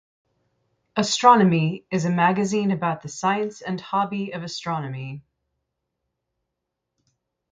"Astronomy" is a magazine about the science and hobby of astronomy.